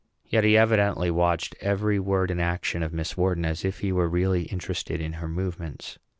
Yet he evidently watched every word and action of Miss Wharton, as if he were really interested in her movements.